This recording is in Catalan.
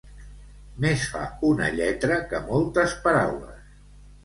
Més fa una lletra que moltes paraules.